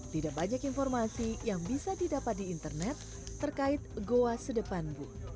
tidak banyak informasi yang bisa didapat di internet terkait goa sedepan bu